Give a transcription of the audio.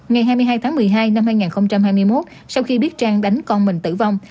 ngày hai mươi hai tháng một mươi hai năm hai nghìn hai mươi một sau khi biết trang đánh con mình tử vong